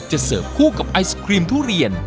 เสิร์ฟคู่กับไอศครีมทุเรียน